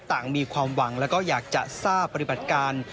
ต่างมีความหวังแล้วก็อยากจะทราบปฏิบัติการ